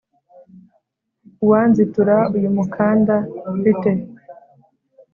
Uwanzitura uyu mukanda mfite